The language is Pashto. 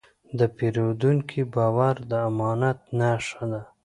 د پیرودونکي باور د امانت نښه ده.